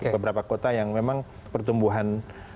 beberapa kota yang memang pertumbuhan